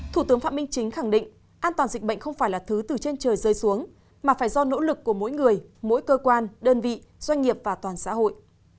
thủ tướng phạm minh chính khẳng định an toàn dịch bệnh không phải là thứ từ trên trời rơi xuống mà phải do nỗ lực của mỗi người mỗi cơ quan đơn vị doanh nghiệp và toàn xã hội